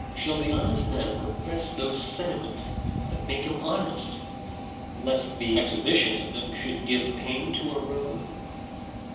Shall the honest man repress those sentiments that make him honest, lest the exhibition of them should give pain to a rogue